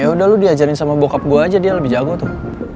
yaudah lu diajarin sama bokap gue aja dia lebih jago tuh